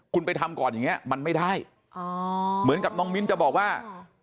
คุณไปทำก่อนอย่างเงี้ยมันไม่ได้อ๋อเหมือนกับน้องมิ้นจะบอกว่า